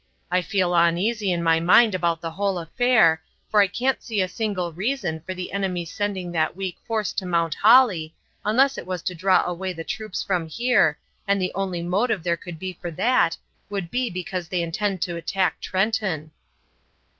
I feel oneasy in my mind about the whole affair, for I can't see a single reason for the enemy sending that weak force to Mount Holly, unless it was to draw away the troops from here, and the only motive there could be for that would be because they intended to attack Trenton."